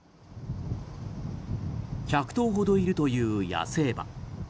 １００頭ほどいるという野生馬。